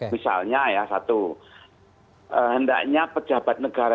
misalnya ya satu hendaknya pejabat negara